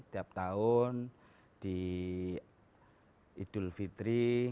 tiap tahun di idul fitri